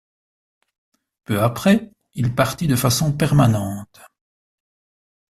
Peu après, il partit de façon permanente.